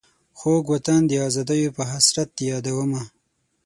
خوږ وطن د آزادیو په حسرت دي یادومه.